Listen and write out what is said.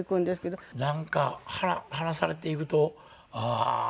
なんか離されていくとああ